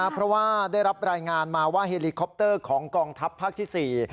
เพราะว่าได้รับรายงานมาว่าเฮลิคอปเตอร์ของกองทัพภาคที่๔